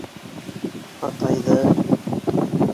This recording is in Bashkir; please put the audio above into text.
Атайҙы...